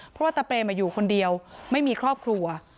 เพราะว่าตะเปรมอยู่คนเดียวไม่มีครอบครัว